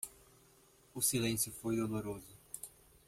O silêncio foi doloroso.